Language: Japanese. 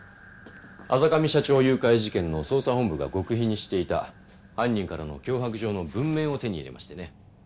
阿座上社長誘拐事件の捜査本部が極秘にしていた犯人からの脅迫状の文面を手に入れましてね。